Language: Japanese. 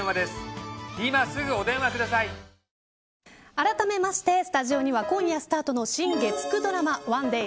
あらためましてスタジオには今夜スタートの新月９ドラマＯＮＥＤＡＹ